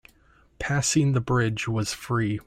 Passing the bridge was free.